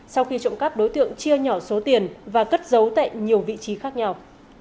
sau khi trộm cắp đối tượng chia nhỏ số tiền và cất giấu tại nhiều vị trí khác nhau